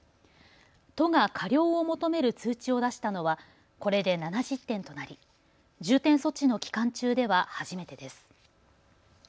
都が過料を求める通知を出したのはこれで７０店となり重点措置の期間中では初めてです。